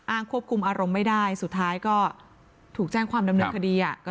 ควบคุมอารมณ์ไม่ได้สุดท้ายก็ถูกแจ้งความดำเนินคดี